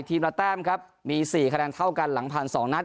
ทีมละแต้มครับมีสี่คะแดนเท่ากันหลังพันสองนัด